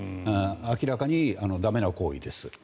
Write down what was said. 明らかに駄目な行為です。